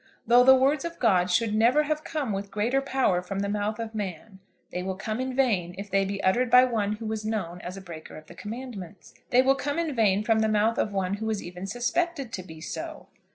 Though the words of God should never have come with greater power from the mouth of man, they will come in vain if they be uttered by one who is known as a breaker of the Commandments; they will come in vain from the mouth of one who is even suspected to be so.